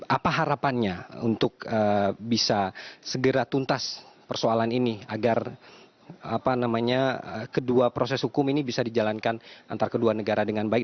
apa harapannya untuk bisa segera tuntas persoalan ini agar kedua proses hukum ini bisa dijalankan antara kedua negara dengan baik